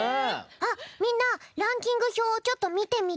あっみんなランキングひょうをちょっとみてみて。